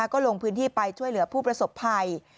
ก็ลงพื้นที่ไปช่วยเหลือผู้ประสบภัย